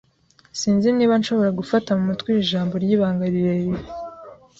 Sinzi niba nshobora gufata mu mutwe iri jambo ryibanga rirerire.